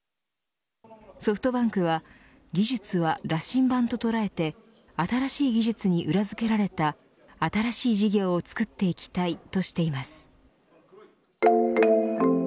ソフトバンクは技術は羅針盤と捉えて新しい技術に裏付けられた新しい事業をつくっていきたいとしています。